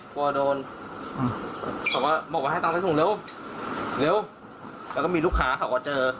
กลัวโดนเขาก็บอกว่าให้ตังค์ไปส่งเร็วเร็วแล้วก็มีลูกค้าเขาก็เจอ